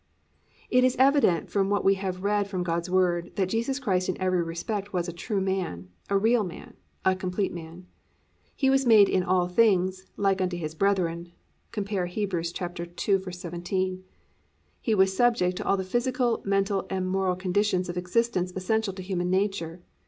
It is evident from what we have read from God's Word, that Jesus Christ in every respect was a true man, a real man, a complete man. He was made +"In all things"+ +"like unto his brethren"+ (cf. Heb. 2:17). He was subject to all the physical, mental and moral conditions of existence essential to human nature.